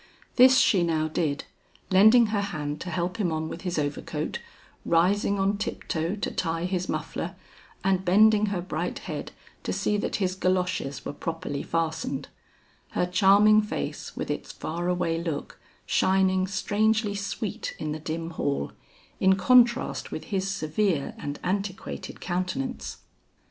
This she now did, lending her hand to help him on with his overcoat, rising on tip toe to tie his muffler, and bending her bright head to see that his galoshes were properly fastened; her charming face with its far away look, shining strangely sweet in the dim hall, in contrast with his severe and antiquated countenance.